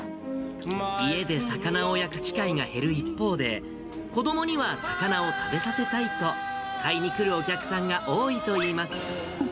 家で魚を焼く機会が減る一方で、子どもには魚を食べさせたいと、買いに来るお客さんが多いといいます。